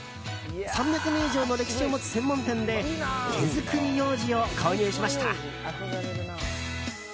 ３００年以上の歴史を持つ専門店で手作りようじを購入しました。